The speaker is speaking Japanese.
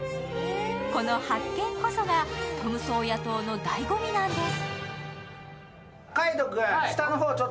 この発見こそがトムソーヤ島のだいご味なんです。